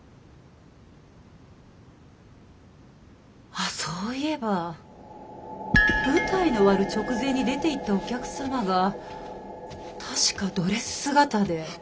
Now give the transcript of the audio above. あっそういえば舞台の終わる直前に出ていったお客様が確かドレス姿で。